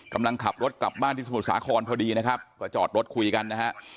กำลังขับรถกลับบ้านที่สมุทรสาครพอดีนะครับก็จอดรถคุยกันนะฮะ